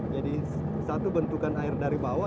jadi satu bentukan air dari bawah